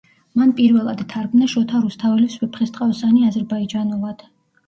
მან პირველად თარგმნა შოთა რუსთაველის „ვეფხისტყაოსანი“ აზერბაიჯანულად.